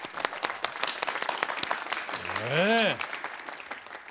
ねえ。